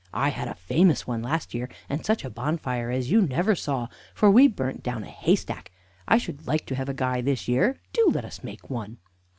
I had a famous one last year, and such a bonfire as you never saw, for we burnt down a haystack. I should like to have a guy this year; do let us make one."